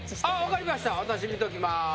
分かりました私見ときます